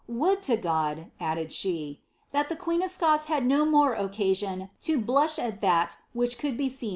^ Would to GmI,'' added she, '^ that the r Scots had no more occasion to blush at that which could be her."